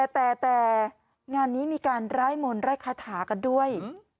แต่งานนี้มีการร่ายมนต์ไร้คาถากันด้วย